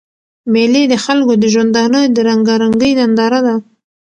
مېلې د خلکو د ژوندانه د رنګارنګۍ ننداره ده.